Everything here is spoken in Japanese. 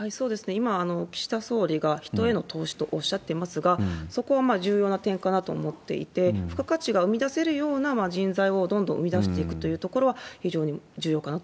今、岸田総理が人への投資とおっしゃっていますが、そこは重要な点かなと思っていて、付加価値が生み出せるような人材をどんどん生み出していくというところは、非常に重要かな